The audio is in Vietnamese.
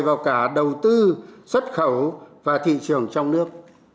vào cả đầu tư xuất khẩu và thị trường trong nước